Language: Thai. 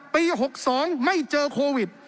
ปี๖๒ไม่เจอโควิด